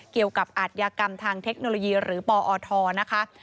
เกี่ยวกับอาชญากรรมทางเทคโนโลยีหรือปอทนะคะ